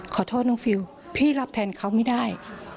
ขอโทษน้องฟิลพี่รับแทนเขาไม่ได้